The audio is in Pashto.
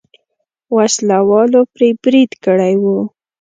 وسله والو پرې برید کړی و.